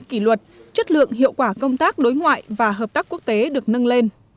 kỷ luật chất lượng hiệu quả công tác đối ngoại và hợp tác quốc tế được nâng lên